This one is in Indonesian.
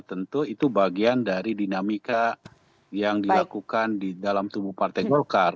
tentu itu bagian dari dinamika yang dilakukan di dalam tubuh partai golkar